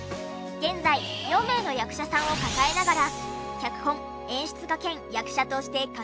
現在４名の役者さんを抱えながら脚本・演出家兼役者として活動中。